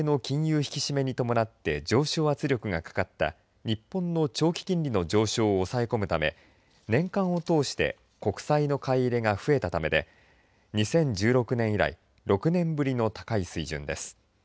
引き締めに伴って上昇圧力がかかった日本の長期金利の上昇を抑え込むため年間を通して国債の買い入れが増えたためで２０１６年以来６年ぶりの高い水準です。